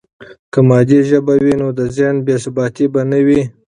که مادي ژبه وي، نو د ذهن بې ثباتي به نه وي.